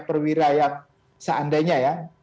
perwira yang seandainya